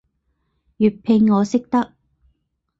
粵拼我識得